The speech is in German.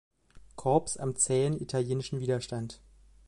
Korps am zähen italienischen Widerstand.